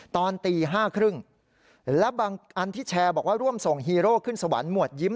ตอนตี๕๓๐และบางอันที่แชร์บอกว่าร่วมส่งฮีโร่ขึ้นสวรรค์หมวดยิ้ม